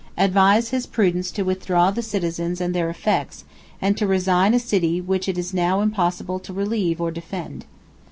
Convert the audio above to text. Advise his prudence to withdraw the citizens and their effects, and to resign a city which it is now impossible to relieve or defend."